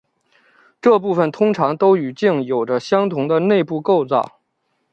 这部分通常都与茎有着相同的内部构造。